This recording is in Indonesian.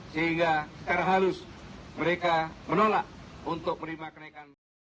sehingga secara halus mereka menolak untuk menerima kenaikan